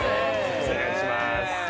・お願いします